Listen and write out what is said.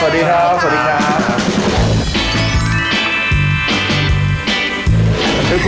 สวัสดีครับสวัสดีครับ